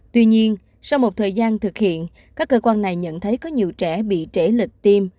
tuy nhiên sau một thời gian thực hiện các cơ quan này nhận thấy có nhiều trẻ bị trễ lịch tiêm